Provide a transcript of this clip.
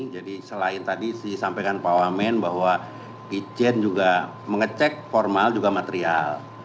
jadi selain tadi disampaikan pak wamen bahwa irjen juga mengecek formal juga material